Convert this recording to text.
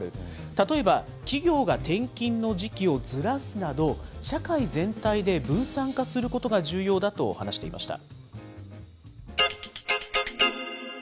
例えば企業が転勤の時期をずらすなど、社会全体で分散化することが重要だと話していました。